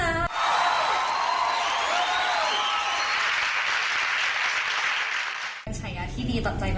สำหรับฉายาที่เรียมกู้ชาติค่ะ